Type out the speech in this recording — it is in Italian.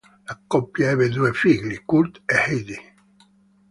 La coppia ebbe due figli: Kurt e Heidi.